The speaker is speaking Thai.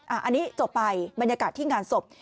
อันนี้จบไปบรรยากาศที่งานศพ